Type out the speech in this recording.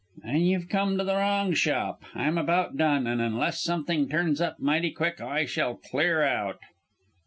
"Then you've come to the wrong shop! I'm about done, and unless something turns up mighty quick I shall clear out."